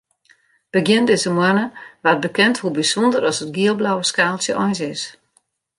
Begjin dizze moanne waard bekend hoe bysûnder as it giel-blauwe skaaltsje eins is.